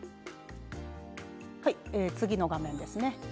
次の画面ですね。